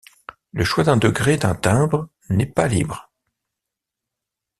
Le choix d'un degré et d'un timbre n'est pas libre.